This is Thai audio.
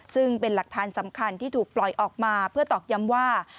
ซึ่งเป็นหลักฐานสำคัญที่ถูกปล่อยออกมาเพื่อตอกย้ำว่า